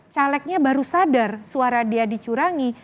calegnya baru sadar suara dia dicurangi